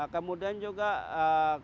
kemudian juga kolaborasi di bahasa indonesia